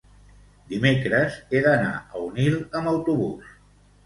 Dimecres he d'anar a Onil amb autobús.